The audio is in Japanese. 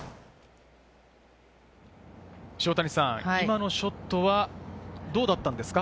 今のショットはどうだったんですか？